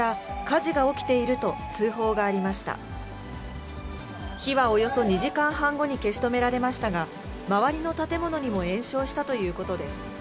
火はおよそ２時間半後に消し止められましたが、周りの建物にも延焼したということです。